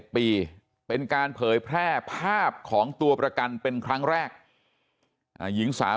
ปีเป็นการเผยแพร่ภาพของตัวประกันเป็นครั้งแรกหญิงสาว